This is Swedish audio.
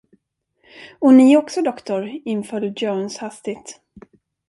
Och ni också, doktor, inföll Jones hastigt.